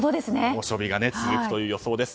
猛暑日が続くという予想です。